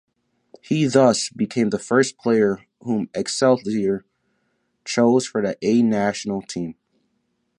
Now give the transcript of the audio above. He, thus, became the first player whom Excelsior chose for the A-national team.